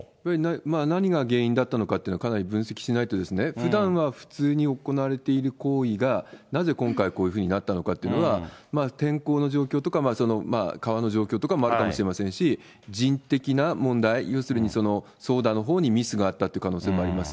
何が原因だったのかっていうのはかなり分析しないとですね、ふだんは普通に行われている行為が、なぜ今回、こういうふうになったのかというのは、天候の状況とか、川の状況とかもあるかもしれませんし、人的な問題、要するに、操舵のほうにミスがあったということもあります。